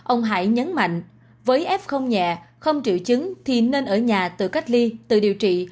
ông hải nhấn mạnh với f nhẹ không triệu chứng thì nên ở nhà tự cách ly tự điều trị